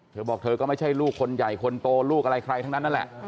เธอบอกเธอก็ไม่ใช่ลูกคนใหญ่คนโตลูกอะไรใครทั้งนั้นนั่นแหละ